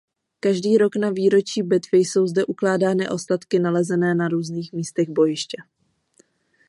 Každý rok na výročí bitvy jsou zde ukládány ostatky nalezené na různých místech bojiště.